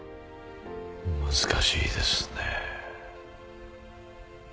難しいですね。